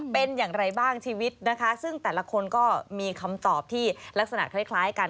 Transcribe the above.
เป็นอย่างไรบ้างชีวิตนะคะซึ่งแต่ละคนก็มีคำตอบที่ลักษณะคล้ายกัน